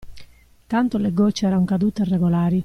Tanto le gocce eran cadute regolari.